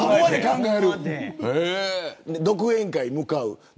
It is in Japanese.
独演会に向かうとき